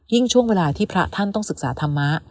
ช่วงเวลาที่พระท่านต้องศึกษาธรรมะ